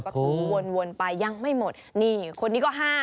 ก็วนไปยังไม่หมดนี่คนนี้ก็๕